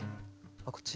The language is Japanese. あっこっち？